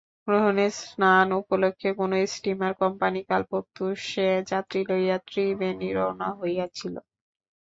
গ্রহণের স্নান-উপলক্ষে কোনো স্টীমার-কোম্পানি কাল প্রত্যুষে যাত্রী লইয়া ত্রিবেণী রওনা হইয়াছিল।